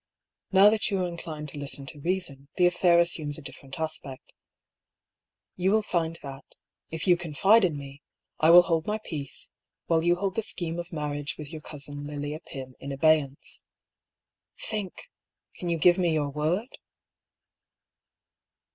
Now that you are inclined to listen to reason, the affair assumes a different aspect. You will find that, if you confide in me, I will hold my peace, while you hold the scheme of marriage with your cousin Lilia Pym in abeyance. Think I Can you give me your word